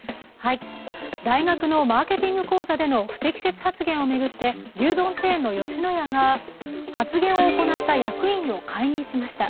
大学のマーケティング講座での不適切発言を巡って牛丼チェーンの吉野家が発言を行った役員を解任しました。